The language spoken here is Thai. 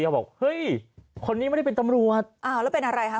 เขาบอกเฮ้ยคนนี้ไม่เป็นตำรวจแล้วเป็นอะไรครับ